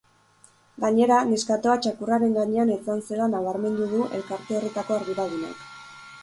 Gainera, neskatoa txakurraren gainean etzan zela nabarmendu du elkarte horretako arduradunak.